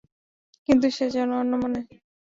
কিন্তু সে যেন অন্যমনে।